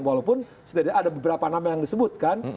walaupun ada beberapa nama yang disebut kan